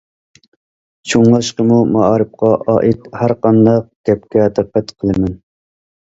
شۇڭلاشقىمۇ مائارىپقا ئائىت ھەر قانداق گەپكە دىققەت قىلىمەن.